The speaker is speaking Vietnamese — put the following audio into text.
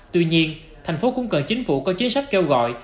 tuy nhiên thành phố cũng cần chính phủ có chính sách kêu gọi